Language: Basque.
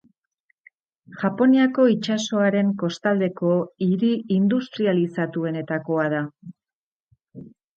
Japoniako itsasoaren kostaldeko hiri industrializatuenetakoa da.